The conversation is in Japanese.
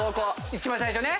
一番最初ね。